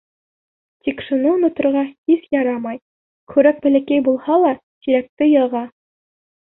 Тик шуны оноторға һис ярамай: көрәк бәләкәй булһа ла, тирәкте йыға.